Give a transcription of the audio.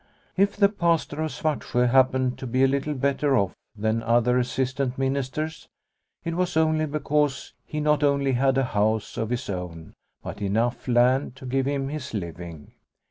If the Pastor of Svartsjo happened to be a little better off than other assistant ministers it was only because he not only had a house of his own, but enough land to give him his living.